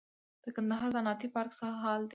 د کندهار صنعتي پارک څه حال لري؟